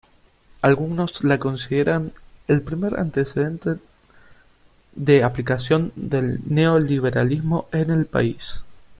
Algunos la consideran el primer antecedente de aplicación del neoliberalismo en el país.